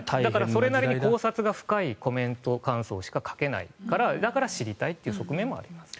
それなりに考察が深いコメント感想しか書けないからだから、知りたいという側面もある。